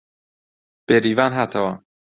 بێریڤان هاتەوە